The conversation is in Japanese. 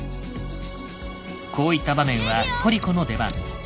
こういった場面はトリコの出番。